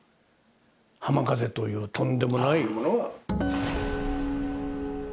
浜風というとんでもないものが。